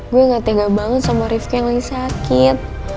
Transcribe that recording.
gue gak tega banget sama rifki yang lagi sakit